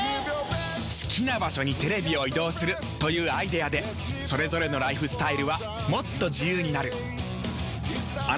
好きな場所にテレビを移動するというアイデアでそれぞれのライフスタイルはもっと自由になる。